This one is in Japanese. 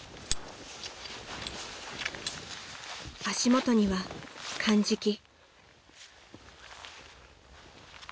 ［足元にはかんじき］